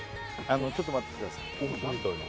ちょっと待っててください